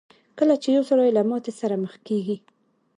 کله چې يو سړی له ماتې سره مخ کېږي.